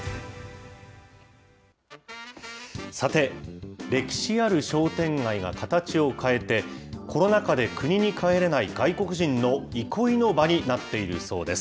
さて、歴史ある商店街が形を変えて、コロナ禍で国に帰れない外国人の憩いの場になっているそうです。